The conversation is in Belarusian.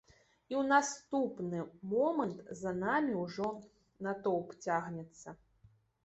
І ў наступны момант за намі ўжо натоўп цягнецца.